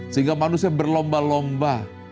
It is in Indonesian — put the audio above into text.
sehingga manusia berlomba lomba